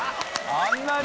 あんなに。